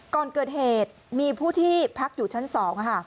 ก่อนเกิดเหตุมีผู้ที่พักอยู่ชั้น๒